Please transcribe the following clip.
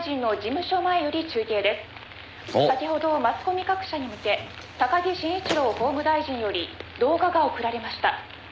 「先ほどマスコミ各社に向け高木慎一郎法務大臣より動画が送られました」